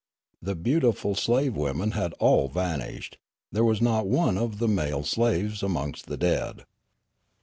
The beautiful slave women had all vanished ; and there was not one of the male slaves amongst the dead.